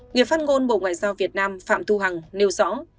người phát ngôn bộ ngoại giao việt nam phạm thu hằng nêu rõ